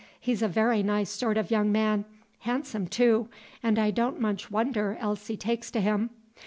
He's a very nice sort of young man, handsome, too, and I don't much wonder Elsie takes to him.